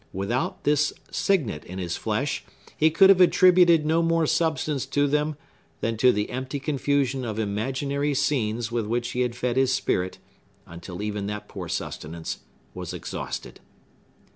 Without this signet in his flesh, he could have attributed no more substance to them than to the empty confusion of imaginary scenes with which he had fed his spirit, until even that poor sustenance was exhausted.